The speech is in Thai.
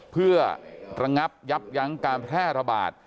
เพื่อระงับยับยั้งการแพร่ระบาด